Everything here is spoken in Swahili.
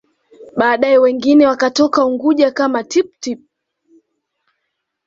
Baadae wengine wakatoka Unguja kama Tippu Tip